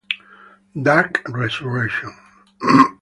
Dark Resurrection